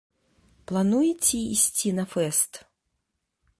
Плануеце ісці на фэст?